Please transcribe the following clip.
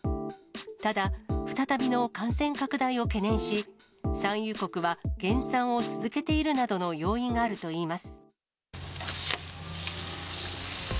ただ、再びの感染拡大を懸念し、産油国は減産を続けているなどの要因があるといいます。